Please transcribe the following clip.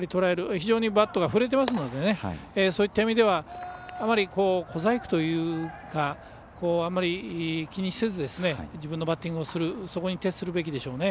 非常にバットが振れてるのでそういった意味ではあまり小細工というかあまり気にせず自分のバッティングをすることに徹するべきですね。